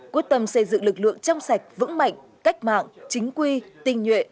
quyết tâm xây dựng lực lượng trong sạch vững mạnh cách mạng chính quy tình nhuệ